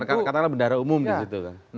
karena kadang kadang bendara umum gitu kan